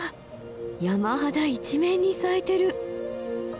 山肌一面に咲いてる。